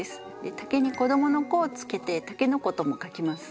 「竹」に子どもの「子」をつけて「竹の子」とも書きます。